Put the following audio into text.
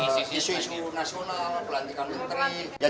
isu isu nasional pelantikan menteri